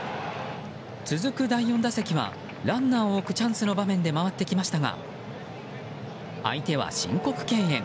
続く第４打席はランナーを置くチャンスの場面で回ってきましたが相手は申告敬遠。